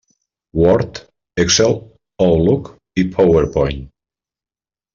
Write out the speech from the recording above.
Word, Excel, Outlook i PowerPoint.